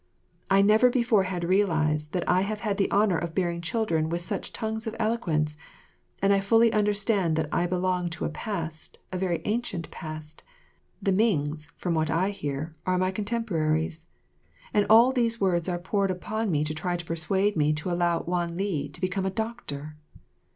I never before had realised that I have had the honour of bearing children with such tongues of eloquence; and I fully understand that I belong to a past, a very ancient past the Mings, from what I hear, are my contemporaries. And all these words are poured upon me to try to persuade me to allow Wan li to become a doctor.